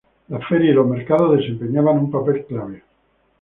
Las ferias y los mercados desempeñaban un papel clave.